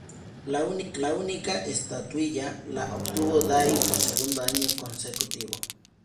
La única estatuilla la obtuvo Day, por segundo año consecutivo.